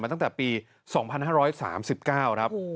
ตั้งแต่ปี๒๕๓๙ครับ